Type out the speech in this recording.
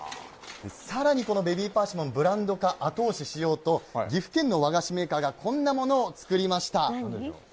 さらにこのベビーパーシモンをブランド化を後押ししようと、岐阜県の和菓子メーカーがこんなものを作りました。